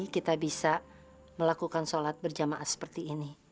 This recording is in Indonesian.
kita bisa melakukan sholat berjamaah seperti ini